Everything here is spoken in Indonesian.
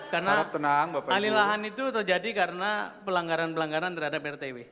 karena alih lahan itu terjadi karena pelanggaran pelanggaran terhadap rtw